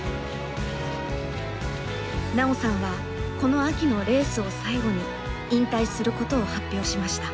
奈緒さんはこの秋のレースを最後に引退することを発表しました。